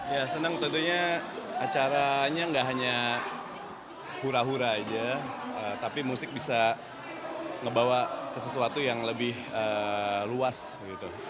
ya senang tentunya acaranya nggak hanya hura hura aja tapi musik bisa ngebawa ke sesuatu yang lebih luas gitu